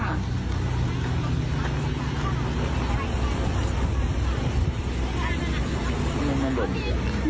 โอเคครับ